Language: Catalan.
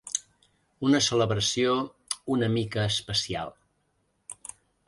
Una celebració ‘una mica especial’